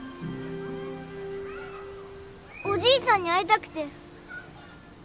おじいさんに会いたくて。